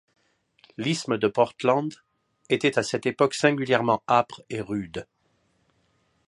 L’isthme de Portland était à cette époque singulièrement âpre et rude.